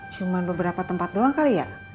cuma beberapa tempat doang kali ya